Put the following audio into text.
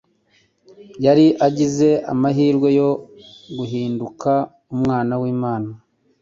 Yari agize amahirwe yo guhinduka Umwana w'Imana,